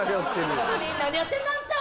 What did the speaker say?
何やってんだあんた。